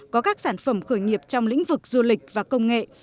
có các sản phẩm khởi nghiệp trong lĩnh vực du lịch và công nghệ